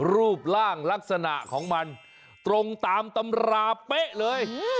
รูปร่างลักษณะของมันตรงตามตำราเป๊ะเลย